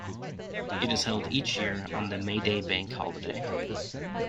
It is held each year, on the May Day bank holiday.